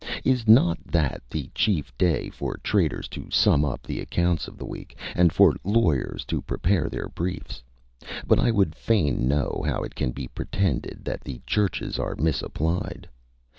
Is not that the chief day for traders to sum up the accounts of the week, and for lawyers to prepare their briefs? But I would fain know how it can be pretended that the churches are misapplied?